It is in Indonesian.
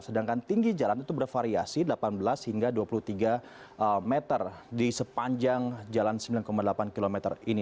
sedangkan tinggi jalan itu bervariasi delapan belas hingga dua puluh tiga meter di sepanjang jalan sembilan delapan km ini